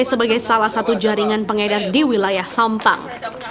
sebagai salah satu jaringan pengedar di wilayah sampang